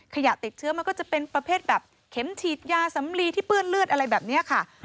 ขยะติดเชื้อมันก็จะเป็นประเภทแบบเข็มฉีดยาสำลีที่เปื้อนเลือดอะไรแบบนี้ค่ะ